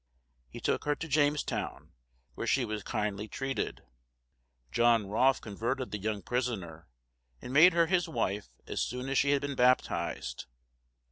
He took her to Jamestown, where she was kindly treated. John Rolfe converted the young prisoner, and made her his wife as soon as she had been baptized.